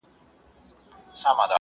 غلام